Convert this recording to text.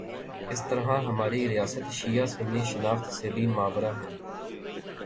اسی طرح ہماری ریاست شیعہ سنی شناخت سے بھی ماورا ہے۔